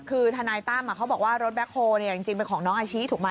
คือทนายตั้มเขาบอกว่ารถแบ็คโฮลจริงเป็นของน้องอาชิถูกไหม